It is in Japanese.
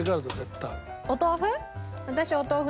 お豆腐？